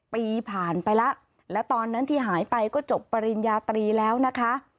ปีผ่านไปแล้วและตอนนั้นที่หายไปก็จบปริญญาตรีแล้วนะคะ